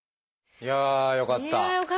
いやあよかった！